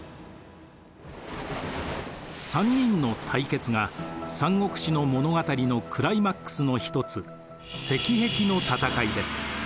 ３人の対決が「三国志」の物語のクライマックスの一つ赤壁の戦いです。